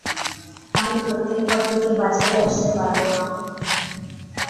আমি প্রত্যেকবার তোকে বাচাতে আসতে পারব না।